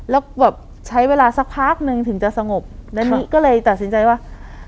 แล้วแบบใช้เวลาสักพักนึงถึงจะสงบและนี้ก็เลยตัดสินใจว่า